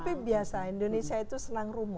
tapi biasa indonesia itu senang rumu